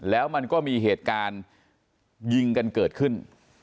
แล้วมันก็มีเหตุการณ์ยิงกันเกิดขึ้น